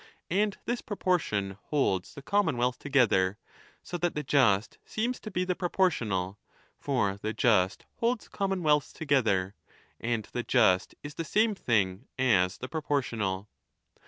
And this proportion holds the commonwealth together. So that the just seems to be the proportional. For the just holds commonwealths together, and the just is the same thing as the pro portional.